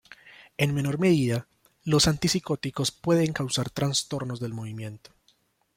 En menor medida, los antipsicóticos pueden causar trastornos del movimiento.